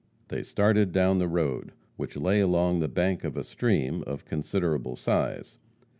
They started down the road, which lay along the bank of a stream of considerable size.